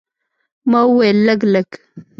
ما وویل، لږ، لږ.